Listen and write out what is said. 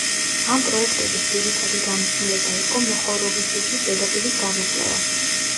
ამ პროექტების ძირითადი დანიშნულება იყო მოხოროვიჩიჩის ზედაპირის გამოკვლევა.